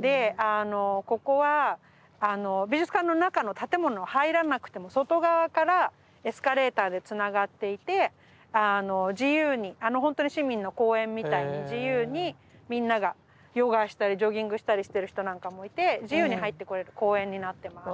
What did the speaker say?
であのここは美術館の中の建物入らなくても外側からエスカレーターでつながっていて自由にあのほんとに市民の公園みたいに自由にみんながヨガしたりジョギングしたりしてる人なんかもいて自由に入ってこれる公園になってます。